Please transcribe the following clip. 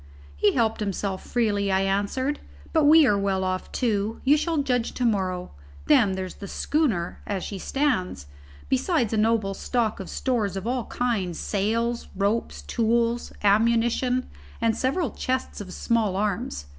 "He helped himself freely," I answered, "but we are well off too. You shall judge to morrow. Then there's the schooner as she stands: besides a noble stock of stores of all kinds, sails, ropes, tools, ammunition and several chests of small arms.